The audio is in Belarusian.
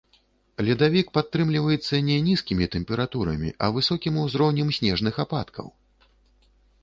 Ледавік падтрымліваецца не нізкімі тэмпературамі, а высокім узроўнем снежных ападкаў.